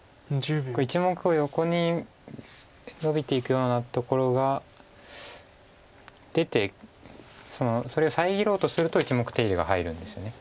１目を横にノビていくようなところが出てそれを遮ろうとすると１目手入れが入るんですよね。